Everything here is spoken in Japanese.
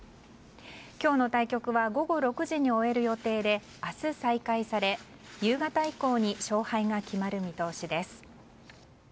今日の対局は午後６時に終える予定で明日再開され、夕方以降に勝敗が決まる見通しです。